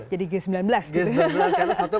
jadi g sembilan belas karena satu